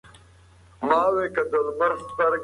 سردار سلطان احمدخان د مکناتن لاس ونیو.